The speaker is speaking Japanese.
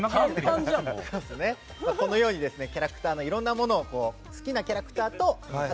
このようにキャラクターのいろんなものを好きなキャラクターと。